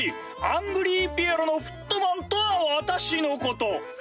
アングリーピエロのフットマンとは私のこと！